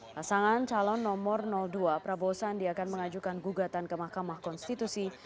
pasangan calon nomor dua prabowo sandi akan mengajukan gugatan ke mahkamah konstitusi